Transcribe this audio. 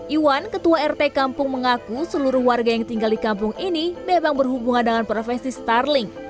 iwan ketua rt kampung mengaku seluruh warga yang tinggal di kampung ini memang berhubungan dengan profesi starling